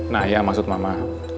nah ya maksud mama